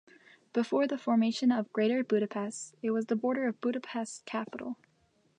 Before the formation of Greater Budapest it was the border of Budapest Capital.